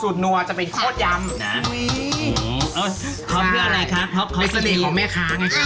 สูตรนัวจะเป็นโฆษณ์ยำอุ้ยโอ้ยเขาเพื่ออะไรครับเพราะเขาสนีในสนีของแม่ค้าไง